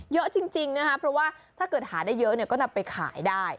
เยอะจริงนะคะเพราะว่าถ้าเกิดหาได้เยอะเนี่ยก็นำไปขายได้